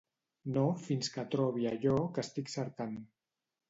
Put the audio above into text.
No fins que trobi allò que estic cercant.